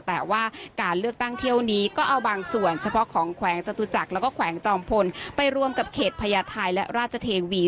แต่ว่าการเลือกตั้งเที่ยวนี้ก็เอาบางส่วนเฉพาะของแขวงจตุจักรแล้วก็แขวงจอมพลไปรวมกับเขตพญาไทยและราชเทวี